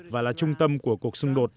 và là trung tâm của cuộc xung đột